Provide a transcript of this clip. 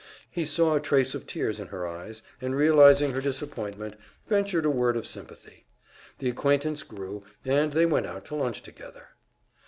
He saw a trace of tears in her eyes, and realizing her disappointment, ventured a word of sympathy. The acquaintance grew, and they went out to lunch together.